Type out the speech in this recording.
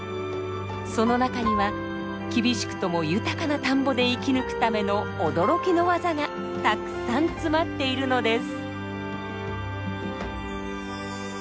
その中には厳しくとも豊かな田んぼで生き抜くための驚きの技がたくさん詰まっているのです。